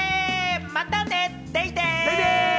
またね、デイデイ！